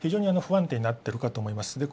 不安定になっていると思います。